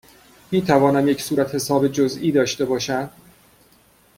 می توانم یک صورتحساب جزئی داشته باشم؟